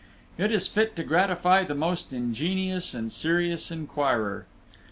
It is fit to gratify the most ingenious and serious inquirer.